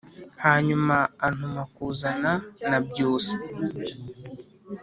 hanyuma antuma kuzana na Byusa.